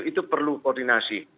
itu perlu koordinasi